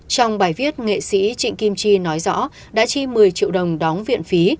trong bài viết nghệ sĩ trịnh kim chi nói rõ đã chi một mươi triệu đồng đóng viện phí